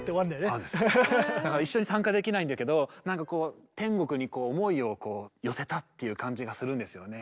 だから一緒に参加できないんだけどなんかこう天国に思いをこう寄せたっていう感じがするんですよね。